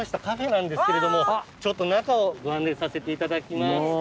カフェなんですけれどもちょっと中をご案内させていただきます。